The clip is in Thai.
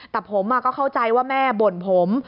แต่ผมก็เข้าใจว่าแม่บ่นผม